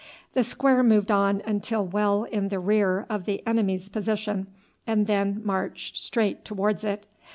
The square moved on until well in rear of the enemy's position, and then marched straight towards it.